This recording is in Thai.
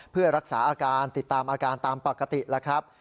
เพื่อรักษาอาการติดตามอาการตามปกติแล้วครับ